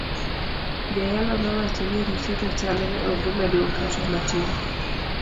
Jayalo nowacho ni richo te chalre onge maduong kata matin.